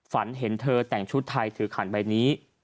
ฝันเห็นเธอแต่งชุดไทยถือขันใบนี้